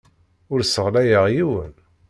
Ur sseɣyaleɣ yiwen.